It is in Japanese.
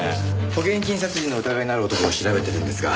保険金殺人の疑いのある男を調べているんですが。